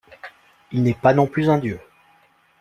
Il n'est pas non plus un dieu.